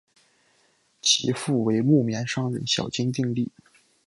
其父为木棉商人小津定利。